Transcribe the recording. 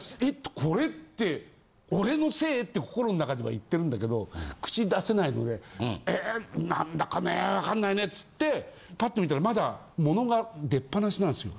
これって俺のせいって心の中では言ってるんだけど口に出せないので「え何だかね分かんないね」つってパッと見たらまだ物が出っぱなしなんですよ。